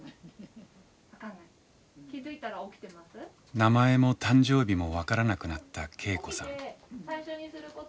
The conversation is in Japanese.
名前も誕生日も分からなくなった恵子さん。